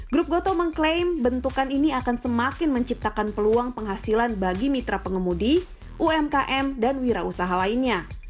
grup gotoh mengklaim bentukan ini akan semakin menciptakan peluang penghasilan bagi mitra pengemudi umkm dan wira usaha lainnya